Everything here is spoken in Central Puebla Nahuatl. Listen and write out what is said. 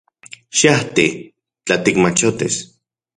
Xiajti — tla tikmachotis.